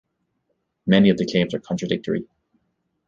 Many of the claims are contradictory.